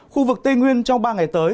khu vực tây nguyên trong ba ngày tới